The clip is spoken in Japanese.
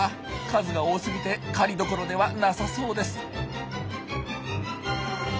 数が多すぎて狩りどころではなさそうです。